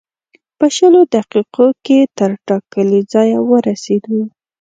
په شلو دقیقو کې تر ټاکلي ځایه ورسېدو.